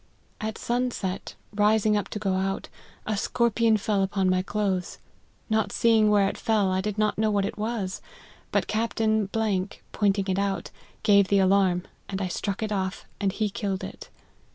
At sunset, Mi 138 LIFE OF HENRY MARTYN. rising up to go out, a scorpion fell upon my clothes ; not seeing where it fell, I did not know what it was ; but Captain pointing it out, gave the alarm, and I struck it off, and he killed it.